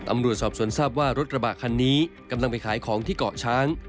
ตำรวจสอบสวนทราบว่ารถกระบะคันนี้กำลังไปขายของที่เกาะช้าง